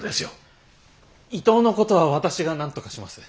伊藤のことは私がなんとかします。